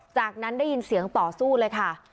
จากนั้นได้ยินเสียงต่อสู้เลยค่ะ